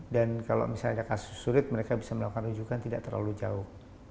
dan kalau misalnya ada kasus sulit mereka bisa melakukan rujukan tidak terlalu jauh